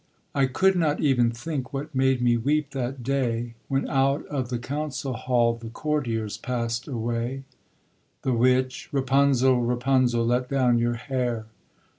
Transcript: I could not even think What made me weep that day, When out of the council hall The courtiers pass'd away, THE WITCH. Rapunzel, Rapunzel, Let down your hair!